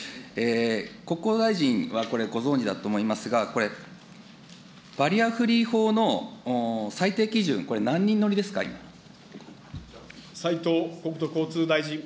国交大臣は、これご存じだと思いますが、これ、バリアフリー法の最低基準、これ何人乗りですか、斉藤国土交通大臣。